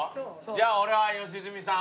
じゃあ俺は良純さん。